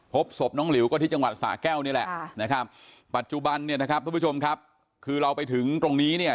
พบศพน้องหลิวก็ที่จังหวัดสะแก้วนี่แหละนะครับปัจจุบันเนี่ยนะครับทุกผู้ชมครับคือเราไปถึงตรงนี้เนี่ย